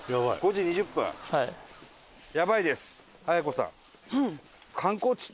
はい。